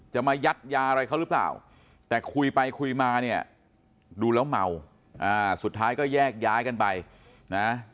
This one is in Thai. มายัดยาอะไรเขาหรือเปล่าแต่คุยไปคุยมาเนี่ยดูแล้วเมาสุดท้ายก็แยกย้ายกันไปนะ